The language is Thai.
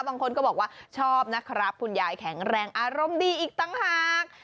บางคนก็บอกว่าชอบนะครับคุณยายแข็งแรงอารมณ์ดีอีกต่างหาก